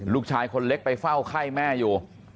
ลูกชายคนเล็กไปเฝ้าไข้แม่อยู่